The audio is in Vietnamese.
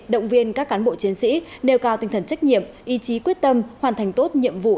động viên các cán bộ chiến sĩ nêu cao tinh thần trách nhiệm ý chí quyết tâm hoàn thành tốt nhiệm vụ